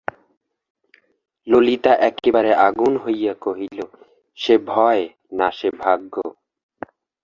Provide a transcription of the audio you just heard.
ললিতা একেবারে আগুন হইয়া কহিল, সে ভয়, না সে ভাগ্য!